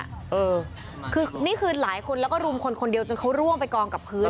เออคือนี่คือหลายคนแล้วก็รุมคนคนเดียวจนเขาร่วงไปกองกับพื้น